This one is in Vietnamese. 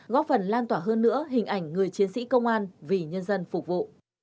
góp phần lan tỏa hơn nữa hình ảnh người chiến sĩ công an vì nhân dân phục vụ